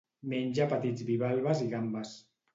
Menja petits bivalves i gambes.